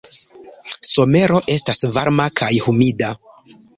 Somero estas varma kaj humida.